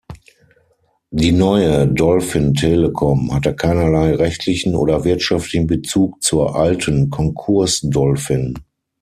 Die neue Dolphin Telecom hatte keinerlei rechtlichen oder wirtschaftlichen Bezug zur „alten Konkurs-Dolphin“.